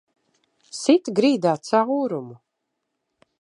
Sit grīdā caurumu!